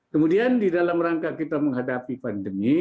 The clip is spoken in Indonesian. kemudian di dalam rangka kita menghadapi pandemi